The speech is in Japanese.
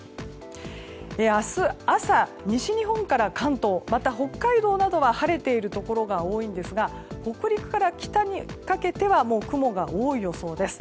明日朝、西日本から関東また北海道などは晴れているところが多いんですが北陸から北にかけては雲が多い予想です。